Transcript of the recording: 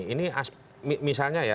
ini misalnya ya